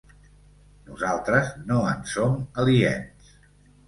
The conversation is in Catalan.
Nosaltres no en som aliens.